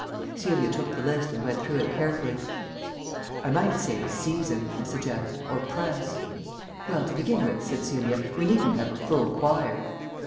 Celia took the list and went through it carefully. "I might say 'Season,'" I suggested, "or 'Press.'" "Well, to begin with," said Celia, "we needn't have a full choir."